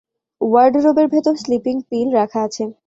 ওয়ার্ডরোবের ভেতর sleeping pill রাখা আছে।